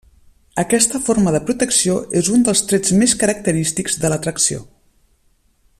Aquesta forma de protecció és un dels trets més característics de l'atracció.